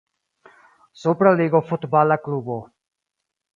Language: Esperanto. Supra Ligo futbala klubo.